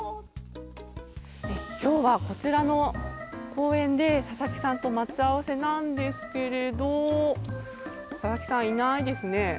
今日は、こちらの公園で佐々木さんと待ち合わせなんですけれど佐々木さんいないですね。